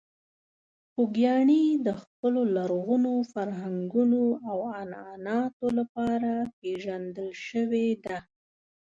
خوږیاڼي د خپلو لرغونو فرهنګونو او عنعناتو لپاره پېژندل شوې ده.